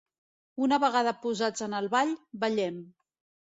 Una vegada posats en el ball, ballem.